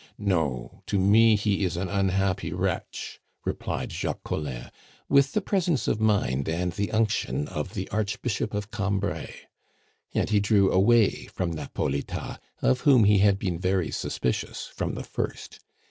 "No, to me he is an unhappy wretch!" replied Jacques Collin, with the presence of mind and the unction of the Archbishop of Cambrai. And he drew away from Napolitas, of whom he had been very suspicious from the first.